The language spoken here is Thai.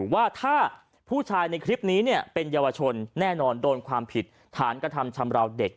ว่าถ้าผู้ชายในคลิปนี้เป็นเยาวชนแน่นอนโดนความผิดฐานกระทำชำราวเด็ก